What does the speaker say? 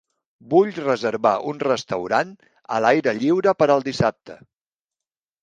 Vull reservar un restaurant a l'aire lliure per al dissabte.